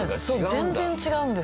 全然違うんです。